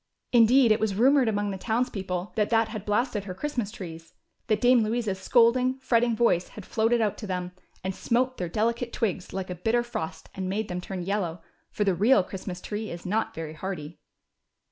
Indeed, it was rumored among the townspeople that that had blasted her Christmas trees, that Dame Louisa's scolding, fretting voice had floated out to them, and smote their delicate twigs like a bitter frost and made them turn yellow ; for the real Christmas tree is not very hardy.